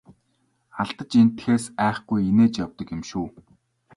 Алдаж эндэхээс айхгүй инээж явдаг юм шүү!